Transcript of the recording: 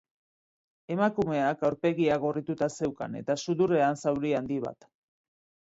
Emakumeak aurpegia gorrituta zeukan eta sudurrean zauri handi bat.